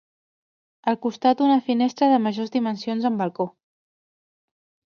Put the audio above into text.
Al costat una finestra de majors dimensions amb balcó.